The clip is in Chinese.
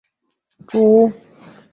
诸部大人请贺讷兄弟举拓跋圭为主。